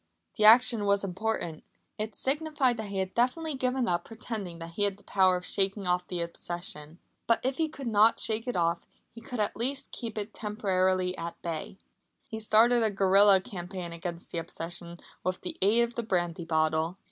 The action was important. It signified that he had definitely given up pretending that he had the power of shaking off the obsession. But if he could not shake it off, he could at least keep it temporarily at bay. He started a guerilla campaign against the obsession with the aid of the brandy bottle.